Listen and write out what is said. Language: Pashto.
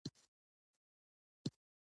وطن زموږ د خلکو ګډ هویت دی.